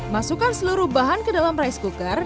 masukkan seluruh bahan ke dalam rice cooker